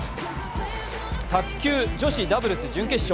卓球女子ダブルス準決勝。